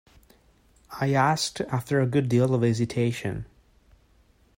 I asked after a good deal of hesitation.